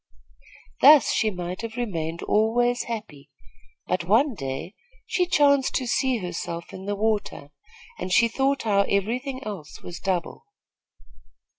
Thus she might have remained always happy; but one day she chanced to see herself in the water, and she thought how every thing else was double.